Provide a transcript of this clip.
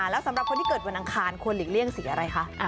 แล้วสำหรับคนที่เกิดวันอังคารควรหลีกเลี่ยงสีอะไรคะ